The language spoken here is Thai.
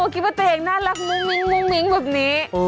กินปะเต๋งน่ารักมุ้งมิ้งมุ้งมิ้งแบบนี้